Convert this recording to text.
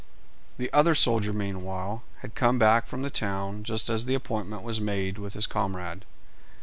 The other soldier meanwhile had come back from the town just as the appointment was made with his comrade.